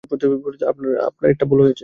আপনার একটা ভুল হয়েছে।